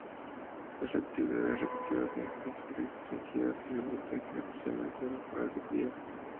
Las actividades recreativas se encuentran restringidas y se protege especialmente las zonas de cría.